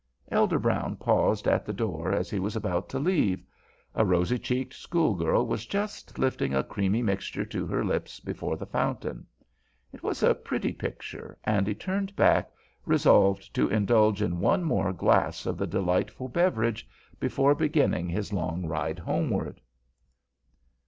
Elder Brown paused at the door as he was about to leave. A rosy cheeked schoolgirl was just lifting a creamy mixture to her lips before the fountain. It was a pretty picture, and he turned back, resolved to indulge in one more glass of the delightful beverage before beginning his long ride homeward.